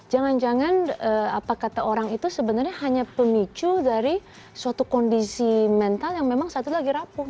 jangan jangan apa kata orang itu sebenarnya hanya pemicu dari suatu kondisi mental yang memang satu lagi rapuh